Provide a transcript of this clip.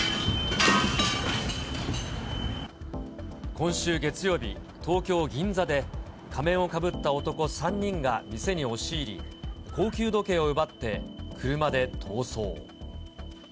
今週月曜日、東京・銀座で仮面をかぶった男３人が店に押し入り、高級時計を奪って車で逃走。